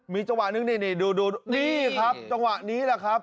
มีจังหวะนึงนี่ดูนี่ครับจังหวะนี้แหละครับ